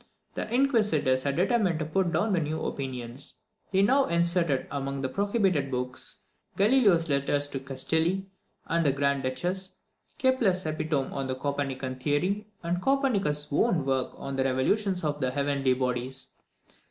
The inquisitors had determined to put down the new opinions; and they now inserted among the prohibited books Galileo's letters to Castelli and the Grand Duchess, Kepler's epitome of the Copernican theory, and Copernicus's own work on the revolutions of the heavenly bodies.